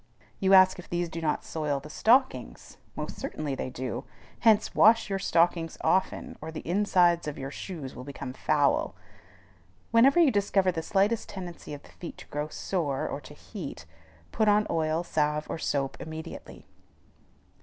You ask if these do not soil the stockings. Most certainly they do. Hence wash your stockings often, or the insides of the shoes will become foul. Whenever you discover the slightest tendency of the feet to grow sore or to heat, put on oil, salve, or soap, immediately.